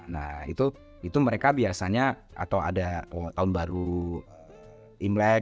nah itu mereka biasanya atau ada tahun baru imlek